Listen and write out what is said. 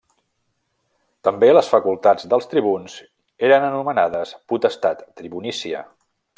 També les facultats dels tribuns eren anomenades potestat tribunícia.